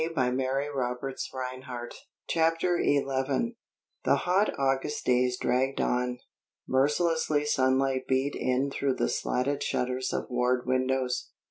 It was a losing battle. CHAPTER XI The hot August days dragged on. Merciless sunlight beat in through the slatted shutters of ward windows.